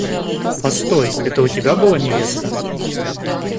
Постой, это у тебя была невеста?